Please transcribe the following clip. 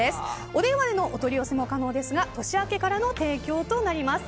お電話でのお取り寄せも可能ですが年明けからの提供となります。